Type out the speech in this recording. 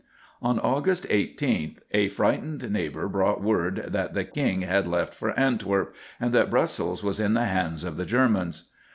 On August 18th a frightened neighbour brought word that the King had left for Antwerp and that Brussels was in the hands of the Germans.